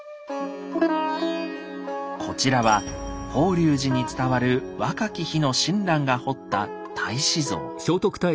こちらは法隆寺に伝わる若き日の親鸞が彫った太子像。